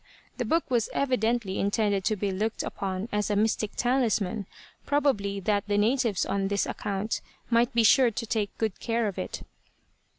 The book was evidently intended to be looked upon as a mystic talisman, probably that the natives on this account might be sure to take good care of it.